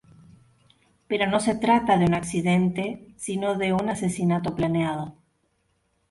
Pero no se trata de un accidente, sino de un asesinato planeado.